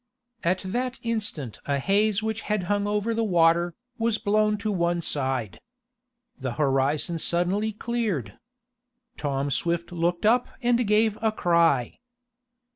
At that instant a haze which had hung over the water, was blown to one side. The horizon suddenly cleared. Tom Swift looked up and gave a cry.